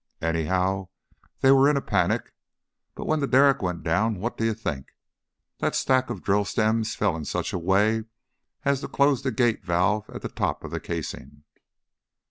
Anyhow, they were in a panic, but when the derrick went down what do you think? That stack of drill stems fell in such a way as to close the gate valve at the top of the casing."